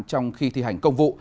trong khi thi hành công vụ